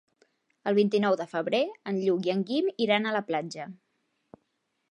El vint-i-nou de febrer en Lluc i en Guim iran a la platja.